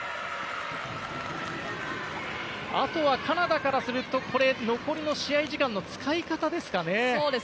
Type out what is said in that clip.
あとはカナダからすると残りの試合時間の使い方ですかね。